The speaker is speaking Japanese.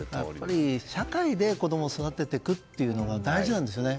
社会で子供を育てていくというのは大事なんですよね。